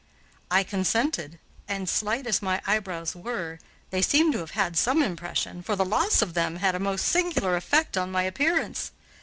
I consented, and, slight as my eyebrows were, they seemed to have had some expression, for the loss of them had a most singular effect on my appearance.